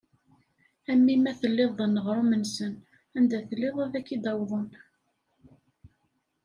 A mmi ma telliḍ d aneɣrum-nsen, anda telliḍ ad ak-id-awḍen.